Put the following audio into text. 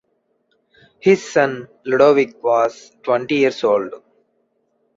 His son Ludovic was twenty years old.